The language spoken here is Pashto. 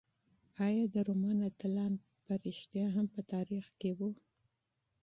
ایا د رومان اتلان په رښتیا هم په تاریخ کې وو؟